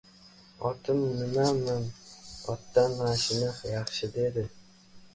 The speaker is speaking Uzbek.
— Otim nimam... otdan mashina yaxshi... — dedi.